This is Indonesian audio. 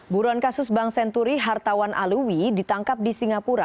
buruan kasus bank senturi hartawan alwi ditangkap di singapura